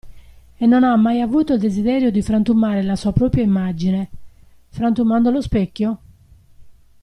E non ha mai avuto il desiderio di frantumare la sua propria immagine, frantumando lo specchio?